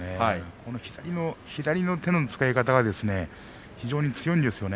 この左の手の使い方が非常に強いんですよね。